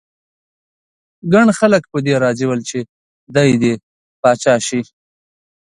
ګڼ خلک په دې راضي ول چې دی دې پاچا شي.